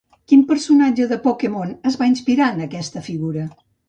Quin personatge de Pokémon es va inspirar en aquesta figura?